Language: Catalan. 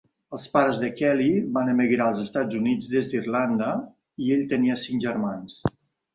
Els pares de Kelley van emigrar als Estats Units des d'Irlanda, i ell tenia cinc germans.